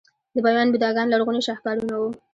د بامیان بوداګان لرغوني شاهکارونه وو